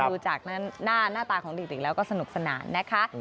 ดูจากหน้าตาของเด็กแล้วก็สนุกสนานนะคะ